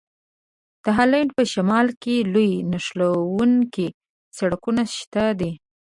د هالند په شمال کې لوی نښلوونکي سړکونه شته دي.